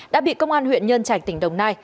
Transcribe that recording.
đã bị công an huyện nhân trạch tỉnh đồng nai